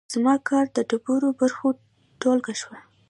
زما کار د ډېرو برخو ټولګه شوه.